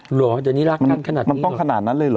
เหรอเดี๋ยวนี้รักกันขนาดนี้หรอ